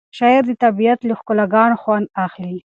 شاعر د طبیعت له ښکلاګانو خوند اخلي.